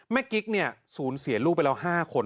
แม่กิ๊กเนี่ยศูนย์เสียลูกไปแล้ว๕คน